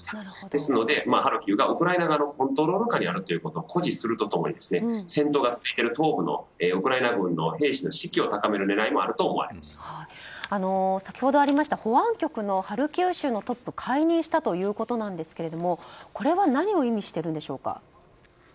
なので、ハルキウがウクライナ側のコントロール下にあることを誇示すると共に、戦闘が続いてる東部のウクライナ軍の兵士の士気を高める狙いもあると先ほど保安局のハルキウ州のトップを解任したということですが何を意味しているんでしょうか。